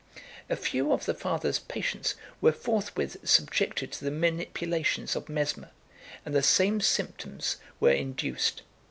A few of the father's patients were forthwith subjected to the manipulations of Mesmer, and the same symptoms were induced.